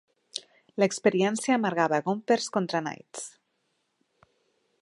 L'experiència amargava Gompers contra Knights.